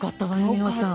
美穂さん。